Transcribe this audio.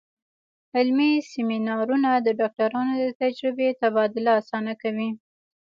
علمي سیمینارونه د ډاکټرانو د تجربې تبادله اسانه کوي.